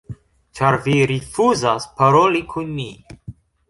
ĉar vi rifuzas paroli kun ni